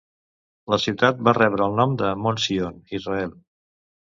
La ciutat va rebre el nom del Mont Sion, Israel.